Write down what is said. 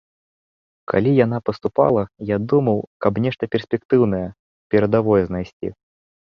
Калі яна паступала, я думаў, каб нешта перспектыўнае, перадавое знайсці.